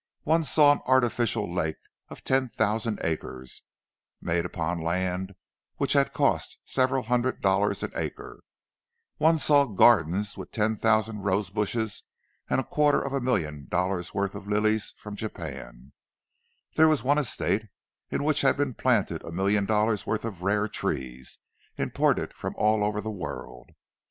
One saw an artificial lake of ten thousand acres, made upon land which had cost several hundred dollars an acre; one saw gardens with ten thousand rose bushes, and a quarter of a million dollars' worth of lilies from Japan; there was one estate in which had been planted a million dollars' worth of rare trees, imported from all over the world.